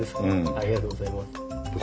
ありがとうございます。